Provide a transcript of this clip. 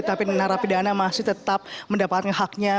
tapi menerapi dana masih tetap mendapatkan haknya